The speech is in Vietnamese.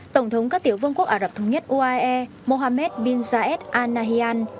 tổng thống các tiểu vương quốc ả rập thống nhất uae mohammed bin zayed al nahyan